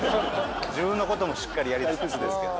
自分のこともしっかりやりつつですけど。